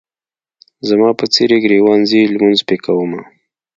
زما په څېرې ګریوان ځي لمونځ پې کومه.